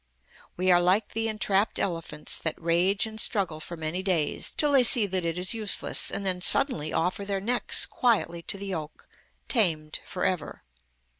We are like the entrapped elephants, that rage and struggle for many days, till they see that it is useless, and then suddenly offer their necks quietly to the yoke, tamed for ever.